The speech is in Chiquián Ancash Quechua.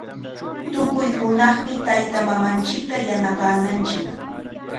Tukuy hunaqmi taytamamanchikta yanapananchik.